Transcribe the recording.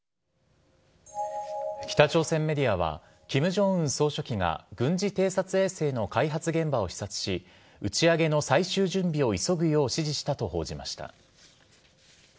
北朝鮮メディアは金正恩総書記が軍事偵察衛星の開発現場を視察し打ち上げの最終準備を急ぐよう指示したと報じました。